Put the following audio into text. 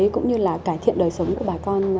cũng như là cải thiện đời sống của bà con